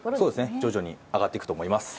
徐々に上がっていくと思います。